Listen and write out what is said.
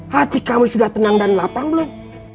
hati kami sudah tenang dan lapang belum